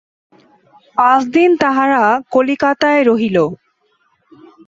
পাঁচ দিন তাহারা কলিকাতায় রহিল।